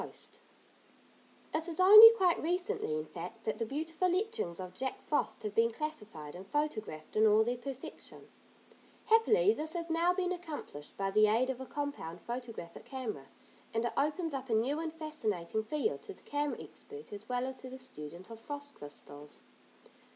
Branch like arrangement of twigs and delicate fern like leaves] It is only quite recently, in fact, that the beautiful etchings of Jack Frost have been classified and photographed in all their perfection. Happily this has now been accomplished, by the aid of a compound photographic camera, and it opens up a new and fascinating field to the camera expert as well as to the student of frost crystals.